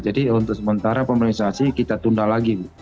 jadi untuk sementara pemerintah asli kita tunda lagi bu